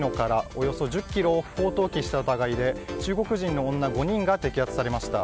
およそ１０ｋｇを不法投棄した疑いで中国人の女５人が摘発されました。